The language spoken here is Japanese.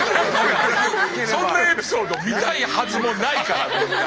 そんなエピソード見たいはずもないからみんな。